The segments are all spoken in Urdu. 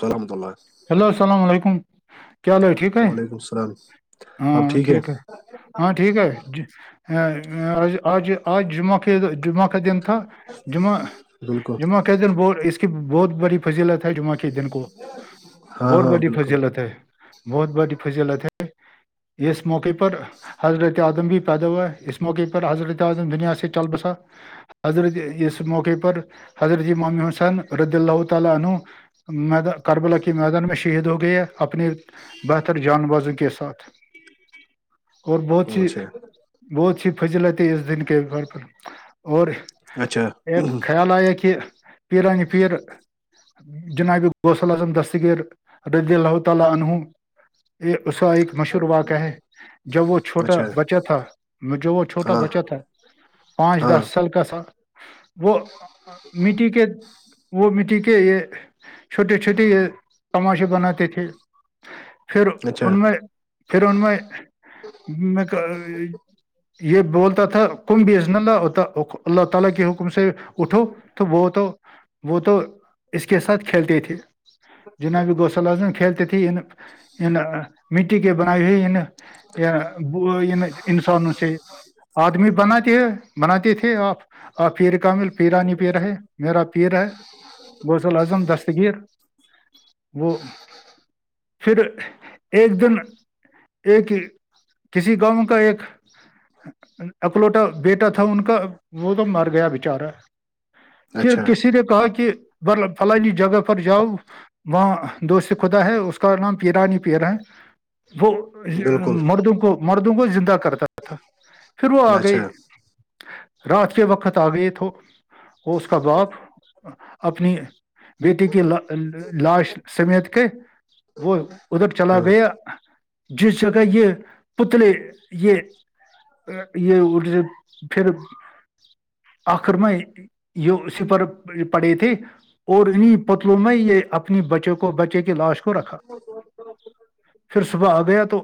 سحمت اللہ [unintelligible] ہیلو السلام علیکم چل ٹھیک ہے وعلیکم السلام ہاں ٹھیک ہے ہاں ٹھیک ہے ج آج آج جمعہ کا جمعہ کا دن تھا جمعہ بالکل جمعہ کے دن ب اس کی بہت بڑی فضیلت ہے جمعہ کے دن کو ہاں بہت ہاں بڑی بالکل فضیلت ہے بہت بڑی فضیلت ہے اس موقع پر حضرت اعدم بھی پیدا ہوا ہے اس موقع پر حضرعادم دنیا سے چل بسا حضرت اس موقع پر حضرتی مامی حسن ردی اللہ تعالی عن مید کربلا کی میدان میں شہید ہو گئی ہے اپنی بہتر جان بازو کے ساتھ اور بہت سی اچھا بہت سی فضلت ہے اس دن کے گھر پر اور اچھا ایک خیال آیا کہ پیراانی پیر جنابی گوسے عالم د ستگر رازیاللہو انہو سوال ایک مشہور واقعہ ہے جب وہ چھوٹا اچھا بچہ تھا جو وہ چھوٹا ہاں بچہ تھا پانچ دہ ہاں سلک سا وہ مٹی کے وہ مٹی کے یہ چھوٹے چھوٹیے یہ تماشے بناتے تھے پھر اچھا ان میں پھر ان میں میں یہ بولتا تھا کم بی ازننال اللہ تعالی کے حکم سے اٹھو تو وہ تو وہ تو اس کے ساتھ کلتے تھے جنابی گوسل اعظم کھیلتے تھے ان ان مٹی کے بنائی ہوئے نا انسانوں سے آدمی بنا کے بناتے تھے آپ آ پیر کامل پیراانی پیر ہے میرا پیر ہے بغوزل اعظم دستگیر وہ پھر ایک دن ایک کسی گاؤں کا ایک اکلوٹا بیٹا تھا ان کا وہ تو مر گیا بچارا پھر اچھا کسی نے کہا کہ فلانی جگہ پر جاؤ وہاں دوست خدا ہے اس کا نام پیرانی پیرا ہے وہ بالکل مردوں کو مردوں کو زندہ کرتا تھا پھر وہ آ اچھا گئے رات کے وقت آ گئے تو وہ اس کا باپ اپنی بیٹی کے لا لاش سمیت کے وہ ادھر چلا ہ گیا جس جگہ یہ پتلے یہ یہ پھر آخر میں یہ سپر پڑے تھے اور انہیں پتلوں میں یہ اپنی بچوں کو بچے کی لاش کو رکھا پھر سباح گیا تو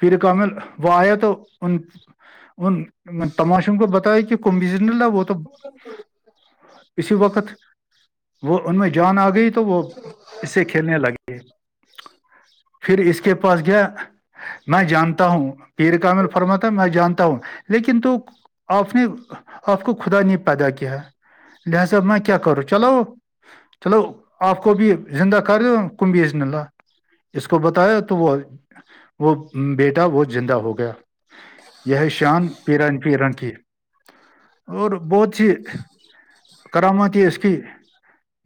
پھر کمل وہ آیا تو ان ان تماشوں کو بتایا کہ کون بزن وہ تو اسی وقت وہ ان میں جان آ گئی ت تو وہ اس سے کھیلنے لگے پھر اس کے پاس گیا میں جانتا ہوں پیر کامل فرمات ہے میں جانتا ہوں لیکن تو آپ نے آپ کو خدا نہیں پیدا کیا [unintelligible] ج سب میں کیا کرچ چلو چلو آپ کو بھی زندہ کر د کم بھیزن اللہ اس کو بتایا تو وہ وہ بیٹا وہ زندہ ہو گیا یہ شان پیرن پیرن کی اور بہت سی کرام کی اس کی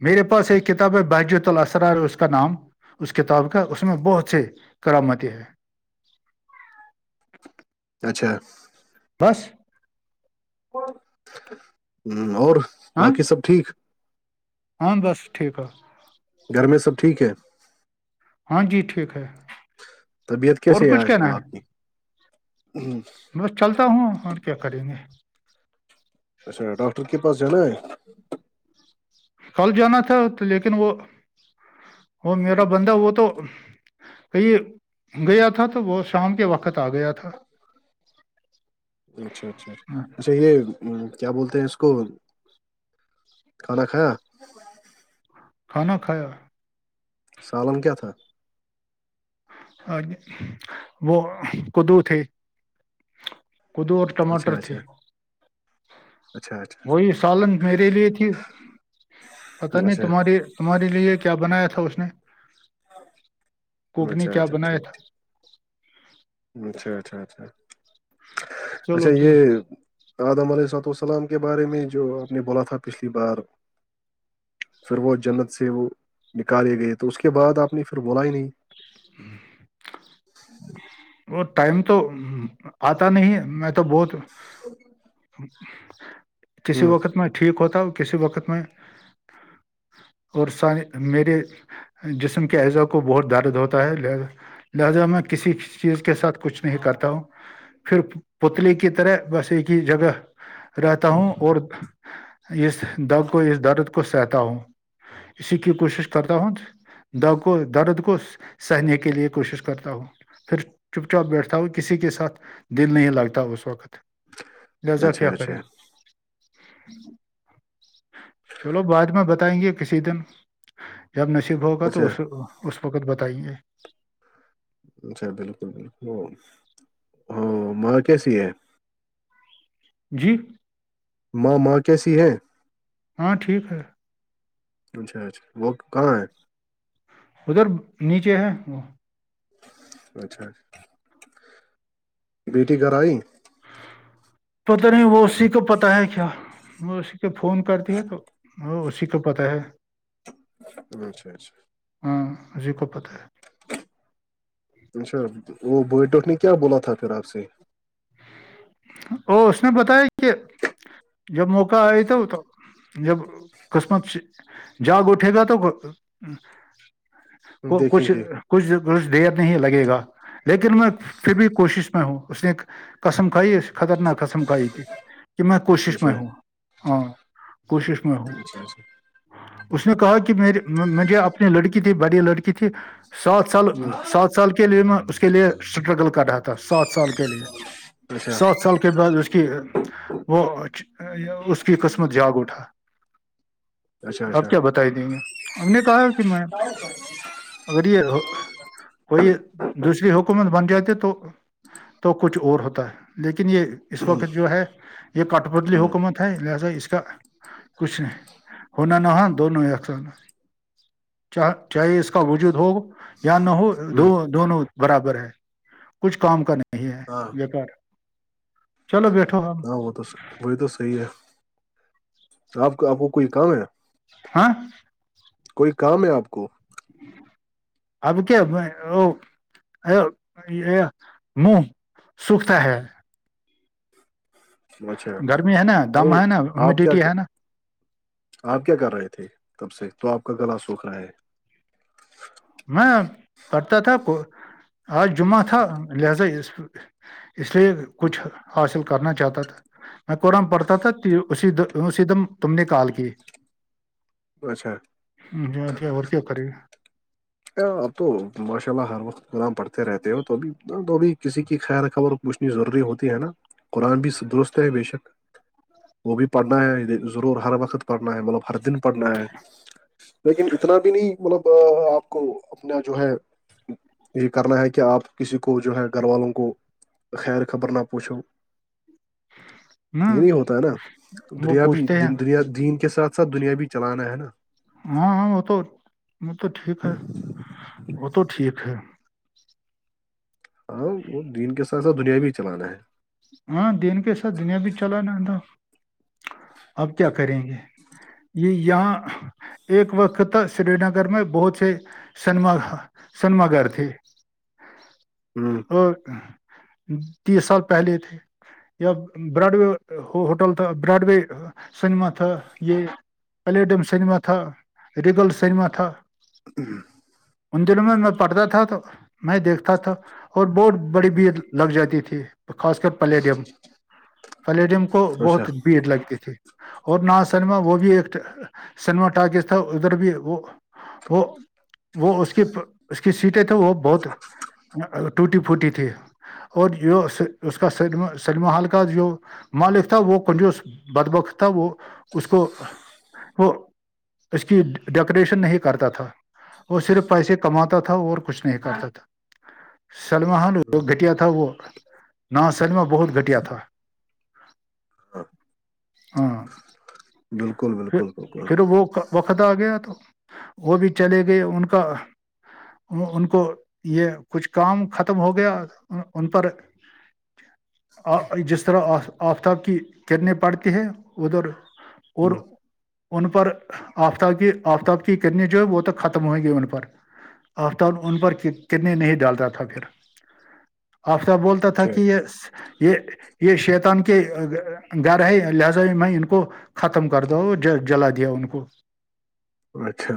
میرے پاس ایک کتاب ہے بحجۃ السرار اس کا نام اس کتاب کا اس میں بہت سے کرامتیں ہے اچھا بس [inaudible] ہ اور ہاں باقی سب ٹھیک ہاں بس ٹھیک گھر میں سب ٹھیک ہے ہاں جی ٹھیک ہے طبیعت اور کیسیے ہے کچھ آج کہنا کل آپ کی ہ میںس چلتا ہوں اور کیا کریں گے اچھا ڈاکٹر کے پاس ج ن کل جانا تھا لیکن وہ وہ میرا بندہ وہ تو کہی گیا تھا تو وہت شام کے وقت آ گیا تھا اچھا اچھا ہاں، اچا چاہے کیا بولتے ہیں اس کو کھانا کھایا کھانا کھایا سالم کیا تھا وہ کدو تھ قدو ٹماٹر اچھا تھے اچھا اچھا اچھا وہی سالن میرے لیے تھی پتہ نہیں اچھا تمہاری تمہاری لیے کیا بنایا تھا اس نے کوک نے اچھا کیا اچھا بنایا ٹھیک تھا اچھا اچھا اچھا اچھا چلو ٹھیک یہ آدم علیہسۃ السلام کے بارے میں جو آپ نے بولا تھا پچھلی بار پھر وہ جنت سے وہ نکالے گئے تو اس کے بعد آپ نے پھر بولا ہی نہیں ہوں وہ ٹائم تو آتا نہیں میں تو بہت ا کسی وقت میں ٹھیک ہوتا ہوں کسی وقت میں اور سانے میرے جسم کے اعزا کو بہت دارد ہوتا ہے لا لہذا میں کسی چیز کے ساتھ کچھ نہیں کرتا ہوں پھر پتل کی طرح بس ایک ہی جگہ رہتا ہوں اور اس دگ کو اس درد کو سہتا ہوں اسی کی کوشش کرتا ہوں کو درد کو سہنے کے لیے کوشش کرتا ہوں پھر چپ چاپ بیٹھتا ہو کسی کے ساتھ دل نہیں لگتا اس وقت اچھا لزرفیا کرے اچھا چلو بعد میں بتائیں گے کسی دن جب نصیب ہوگا اچھا تو اس اس وقت بتائییں گے اچھا بالکلکل وہ ہاں ماں کیسی ہے جی ماں ماں کیسی ہے ہاں ٹھیک ہے اچھا اچھا وہ کہاں ہے ادھر نیچے ہے وہ اچھا بیٹی کرھر آئی پتا نہیں وہ اسی کو پتاہ ہے کیا وہ اسی کو فون کرتی ہے تو وہ اسی کو پرتا ہے اچھا اچھا ہاں جی کو پتہ ہے اچھا وہ بوڑ ٹوٹھ نے کیا بولا تھا پھر آپ سے اس نے بتایا کہ جب موقع آیا تو تو جب قسمت سے جاگ اٹھے گا تو کو دیکھیں کچھ گے کچھ کچھ دیر نہیں لگے گا لیکن میں پھر بھی کوشش میں ہوں اس نے کسم کھائی خطرناک کسم کھائی کہ میں کوشش اچھا میں ہوں ہاں کوشش میں ہوں اچھا اس نے کہا کہ مے اپنی لڑکی تھی بڑ لڑکی تھی سات سال سات سال کے لیے میں اس کے لیے اسٹرگل کر رہا تھا سات سال کے لیے اچھا ہوں، اچھا سات سال کے بعد اس کی وہ اس کی قسمت جاگ اٹھا اچھا آپ اچھا کیا بتائی دیں گے ہم نے کہا کہ میں اگر یہ کوئی دوسری حکومت بن جاتی تو تو کچھ اور ہوتا ہے لیکن یہ اس ہوں، وقت جو ہے یہ کٹ بدلی حکومت لذا اس کا کچھ نہیں ہونا نہاں دونوں چاہے اس کا وجود ہو یا نہ ہو ہوں، دونوں برابر ہے کچھ کام کا نہیں ہے ہاں بیکار چلو بیٹھو ہم ہاں وہ تو وہی تو صحیح ہے آپ کا آپ کو کوئی کام ہے ہاں کوئی کام ہے آپ کو اب کیا میں ا مہ سکھتا ہے اچھا گرمی ہے نا دم بائی ہے نا آپ کیا ہیومیڈیٹی ہے نا آپ کیا کر رہے تھے تب سے تو آپ کا گلا سوکھ رہا ہے میں کرتا تھا اج جمعہ تھا لہذا اس لیے کچھ حاصل کرنا چاہتا تھا میں کوورم پڑتا تھا اسی اسی دم تم نے کال کی اچھا ج ہو اور کیا کری ہے آپ تو ماشاء اللہ ہر وقت گرآام پڑھتے رہتے ہو تو ابھی تو ابھی کسی کی خیر خبر موشنی ضروری ہوتی ہے نا قرآن بھی درست ہے بے شک وہ بھی پڑھنا ہے ضرور ہر وقت پڑھنا ہے مطلب ہر دن پڑھنا ہے لیکن اتنا بھی نہیں مطلب آپ کو اپنا جو ہے یہ کرنا ہے کہ آپ کسی کو جو ہے گھر والوں کو خیر خبر نہ پوچھو نا یہ نہیں ہوتا ہے نا وہ دنیا بھی پوچھتے ہیں دنیا دین کے ساتھ ساتھ دنیا بھی چلانا ہے نا ہاں ہاں وہ تو وہ تو ٹھیک ہے وہ تو ٹھیک ہے ہاں وہ دین کے ساتھ ساتھ دنیا بھی چلانا ہے ہاں دین کے ساتھ دنیا بھی چلا نا تھا اب کیا کریں گے یہ یہاں ایک وقت تو سری نگر میں بہت سے سنما سنما گھر تھے ہوں تیس سال پہلے تھے یا براڈ و ہوٹل تھا براڈ وے سنیما تھا یہ پلیڈم سنیما تھا ریگل سنیما تھا ان دنوں میں میں پڑھتا تھا تو میں دیکھتا تھا اور بہت بڑی بھیڑ لگ جاتی تھی خاص کر پلیڈیم پلیڈیم کو اچھا بہت بھیڑ لگتی تھی اور نہا سنیما وہ بھی ایک سنیما ٹااک تھا ادھر بھی وہ وہ وہ اس کی اس کی سیٹیں تو وہ بہت ٹوٹی پھوٹی تھی اور جو اس کاا سنیما ہال کا جو مالک تھا وہ کنجو بدبخت تھا وہ اس کو وہ اس کی ڈیکوریشن نہیں کرتا تھا وہ صرف پیسے کماتا تھا اور کچھ نہیں کرتا تھا سلیلمل ہوں، گھٹیا تھا وہ نہ سلما بہت گھٹیا تھا ہاں، ہاں بالکل پھر بالکل بالکل پھر وہ وقت آ گیا تو وہ بھی چلے گئے ان کا ان کو یہ کچھ کام ختم ہو گیا ان پر جس طرح آفتاب کی کرنیں پڑتی ہے ادھر اور ہوں، ان پر آفتاب کی آفتاب کی کرنی جو ہے وہ تو ختم ہوئ گی ان پر آفتاب ان پر کرنے نہیں ڈالتا تھا پھر آفتاب بولتا تھا اچھا کہ یہ شیتان کے گھر ہے لہذا میں ان کو ختم کر دو جلا دیا ان کو اچھا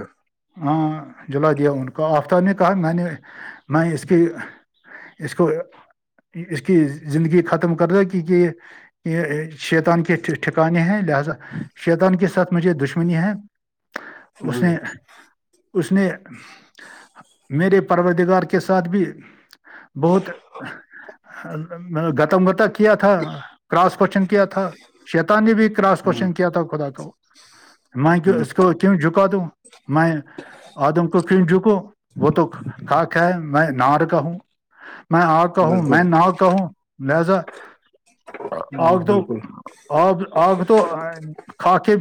ہاں جلا دیا ان کو آفتاب نے کہا میں نے میں اس کی اس کو اس کی زندگی ختم کر رہا ہے کیک یہ ایک دن تو لگتا ہے پروپر جانے کا ایک شیطان کے ساتھ مجھے دشمنی ہے اس ہوں، نے اس نے میرے پرورودگار کے ساتھ بھی بہت گتم گتک کیا تھا کراس کوشچن کیا تھا شیت نے بھی کراس ہوں، کوشچن کیا تھا خدا ہوں، تووں جکا د آدم کو پ جھکو وہ تو ک کیا ہے میں نار کا ہوں میں آ کہوں میں بالکل نہ کہوں لہذا آگ ہوں، دو بالکل آب آگ تو کا کے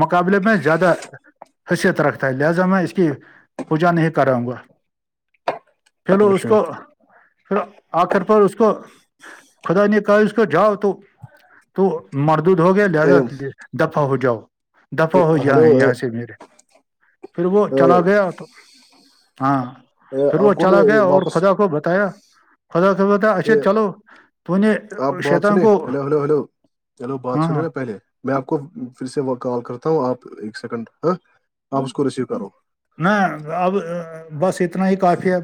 مقابلے میں زیادہ حیثیت رکھتا ہے لہذا میں اس کی پوجا نہیں کراں گا پھر اس اچھا کو پھر آ کر پر اس کو خدا نے کہا اس کو جاؤ تو تو مردود ہو گیا اے، لہذا دفع ہو جاؤ دفع اے، ہو جا ہلو ہے اے، یہاں سے میرے پھر وہ اے، چلا گیا تو ہاں اے، پھر وہ آپ کو میں چلا اے، گیا اور واپس خدا کو بتایا خبا تھا اچھا اے، چلو تو نے شیتاان کو چلو بات سنیں ہاں نا پہلے میں آپ کو پھر سے کال کرتا ہوں آپ ایک سیکنڈ ہاں آپ اس کو ریسیو کرو نہ اب بس اتنا ہی کافی ہے